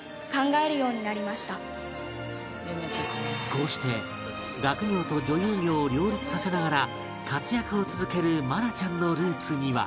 こうして学業と女優業を両立させながら活躍を続ける愛菜ちゃんのルーツには